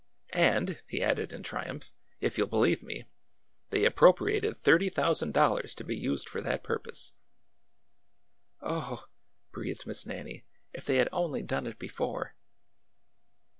And,"— he added in triumph,— if you 'll believe me, they appropriated thirty thousand dollars to be used for that purpose !"'' Oh h !" breathed Miss Nannie, '' if they had only done it before